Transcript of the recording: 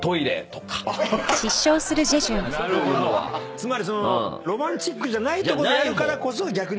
つまりロマンチックじゃないとこでやるからこそ逆に。